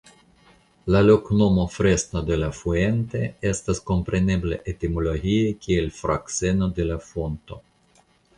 La loknomo "Fresno de la Fuente" estas komprenebla etimologie kiel Frakseno de la Fonto.